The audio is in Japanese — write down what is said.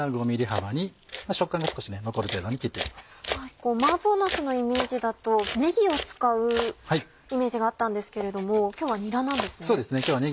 麻婆なすのイメージだとねぎを使うイメージがあったんですけれども今日はにらなんですね。